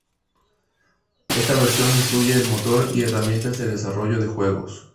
Esta versión incluye el motor y herramientas de desarrollo de juegos.